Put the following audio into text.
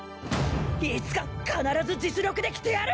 いつか必ず実力で着てやる！